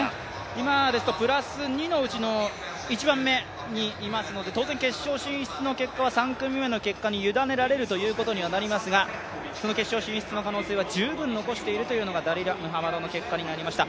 今ですとプラス２のうちに１番目にいますので、当然決勝進出の結果は３組目の結果に委ねられるということになりますがその決勝進出の可能性は十分残しているというのがダリラ・ムハマドの結果になりました。